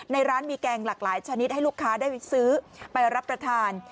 ร้านมีแกงหลากหลายชนิดให้ลูกค้าได้ซื้อไปรับประทาน